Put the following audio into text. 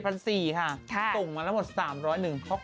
ตรงมาละทั้งหมด๓๐๐บาทหนึ่ง